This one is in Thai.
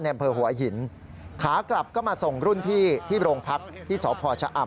อำเภอหัวหินขากลับก็มาส่งรุ่นพี่ที่โรงพักที่สพชะอำ